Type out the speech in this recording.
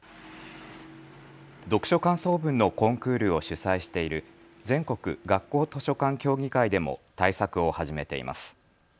読書感想文のコンクールを主催している全国学校図書館協議会でも対策を始めています。